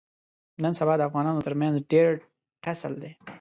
نن سبا د افغانانو ترمنځ ډېر ټسل دی.